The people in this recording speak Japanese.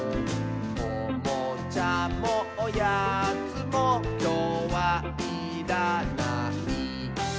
「おもちゃもおやつもきょうはいらない」